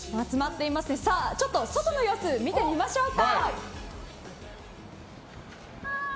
ちょっと外の様子見てみましょうか。